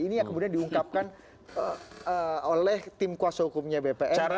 ini yang kemudian diungkapkan oleh tim kuasa hukumnya bpn